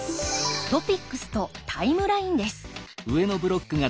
トピックスとタイムラインです。